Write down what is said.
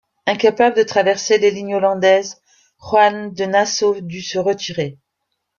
Incapable de traverser les lignes hollandaises, Juan de Nassau dut se retirer.